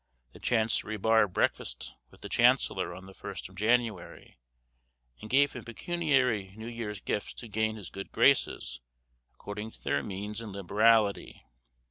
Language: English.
The chancery bar breakfasted with the chancellor on the 1st of January, and gave him pecuniary New Year's Gifts to gain his good graces according to their means and liberality.